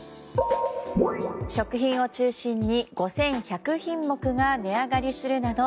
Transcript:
食品を中心に５１００品目が値上がりするなど